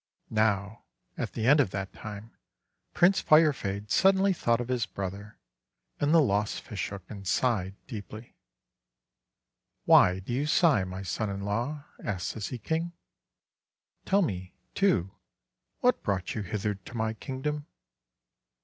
Now, at the end of that time, Prince Firefade suddenly thought of his brother and the lost fish hook, and sighed deeply. "Why do you sigh, my Son in law?' asked the Sea King. "Tell me, too, what brought you hither to my Kingdom."